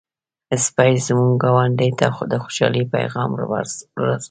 سپي زموږ ګاونډی ته د خوشحالۍ پيغام ورساوه.